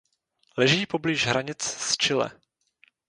Leží poblíž hranic s Chile.